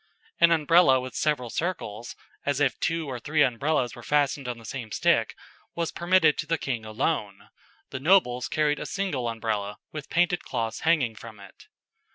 An Umbrella with several circles, as if two or three umbrellas were fastened on the same stick, was permitted to the king alone, the nobles carried a single Umbrella with painted cloths hanging from it.